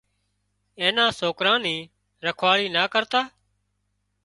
اين نا سوڪرا اين ني رکواۯي نا ڪرتا